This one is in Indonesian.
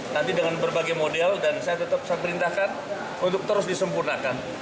nanti dengan berbagai model dan saya tetap saya perintahkan untuk terus disempurnakan